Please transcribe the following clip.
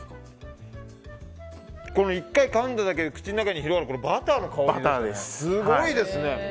１回かんだだけで口の中に広がるバターの香り、すごいですね。